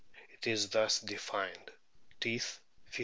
It is thus defined : Teeth, 58 65.